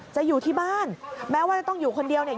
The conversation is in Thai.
อยู่ที่บ้านแม้ว่าจะต้องอยู่คนเดียวเนี่ย